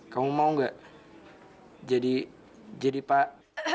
kamu mau gak jadi jadi pak